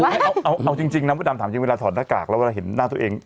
เอาเอาเอาเอาจริงจริงน้ำตัวดำถามจริงเวลาถอดหน้ากากแล้วเวลาเห็นหน้าตัวเอง